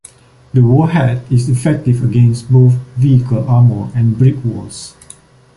The warhead is effective against both vehicle armour and brick walls.